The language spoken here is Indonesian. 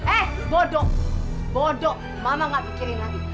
eh bodoh bodoh mama gak pikirin lagi